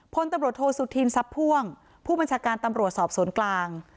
พลตำรวจโทษสุธินทรัพย์พ่วงผู้บัญชาการตำรวจสอบสวนกลาง